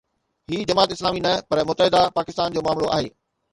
هي جماعت اسلامي نه پر متحده پاڪستان جو معاملو آهي.